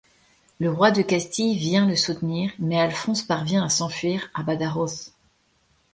Le roi de Castille vient le soutenir, mais Alphonse parvient à s'enfuir à Badajoz.